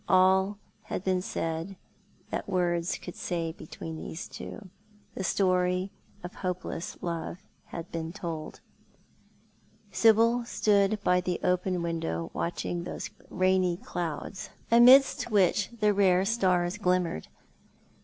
All had been said that words could say between those two. The story of hopeless love had been told. Sibyl stood by the open window watching those rainy clouds, amidst which the rare stars glimmered.